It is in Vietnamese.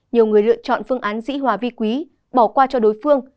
nhiều người lựa chọn phương án dĩ hòa vi quý bỏ qua cho đối phương